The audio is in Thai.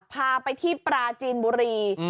พาไปที่ปราจีนบุรี